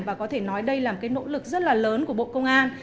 và có thể nói đây là một cái nỗ lực rất là lớn của bộ công an